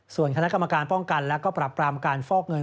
ส่วนคณะกรรมการป้องกันและก็ปรับปรามการฟอกเงิน